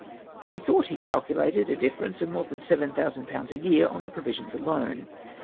He thought he calculated a difference of more than seven thousand jDounds a year on the provisions alone.